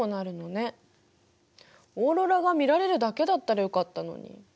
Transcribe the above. オーロラが見られるだけだったらよかったのに。